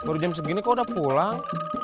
kamu udah jam segini kok udah pulang